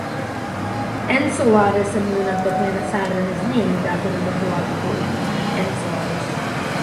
Enceladus, a moon of the planet Saturn, is named after the mythological Enceladus.